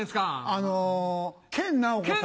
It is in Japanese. あの研ナオコさん。